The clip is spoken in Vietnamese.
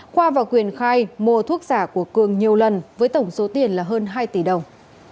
khoa và quyền khai mua thuốc giả của cường nhiều lần với tổng số tiền là hơn hai tỷ đồng